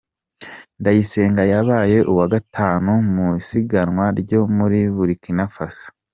Ndayisenga yabaye uwa gatanu mu isiganwa ryo muri Burkina Faso